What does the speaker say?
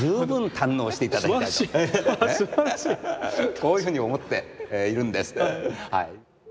こういうふうに思っているんですはい。